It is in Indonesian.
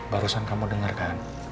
barusan kamu dengarkan